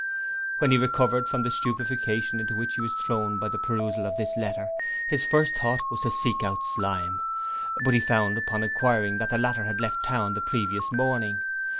When he recovered from the stupefaction into which he was thrown by the perusal of this letter, his first thought was to seek out Slyme, but he found upon inquiring that the latter had left the town the previous morning.